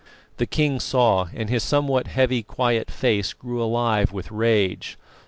The king saw, and his somewhat heavy, quiet face grew alive with rage.